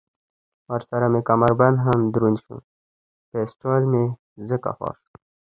ورسره مې کمربند هم دروند شو، پېسټول مې ځکه خوښ شول.